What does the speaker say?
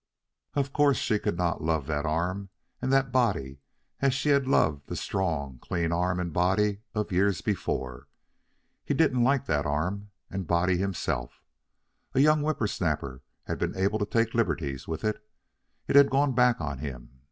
Of course she could not love that arm and that body as she had loved the strong, clean arm and body of years before. He didn't like that arm and body himself. A young whippersnapper had been able to take liberties with it. It had gone back on him.